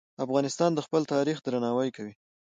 افغانستان د خپل تاریخ درناوی کوي.